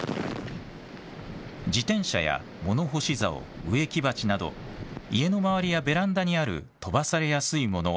自転車や物干しざお植木鉢など家の周りやベランダにある飛ばされやすいもの